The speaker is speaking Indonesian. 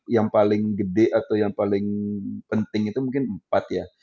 yang paling gede atau yang paling penting itu mungkin empat ya